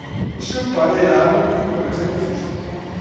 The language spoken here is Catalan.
El seu pare era amo d'un magatzem de fusta.